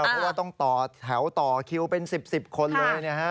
เพราะว่าต้องแถวต่อคิวเป็น๑๐๑๐คนเลย